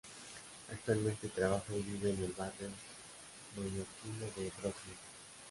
Actualmente trabaja y vive en el barrio neoyorquino de Brooklyn.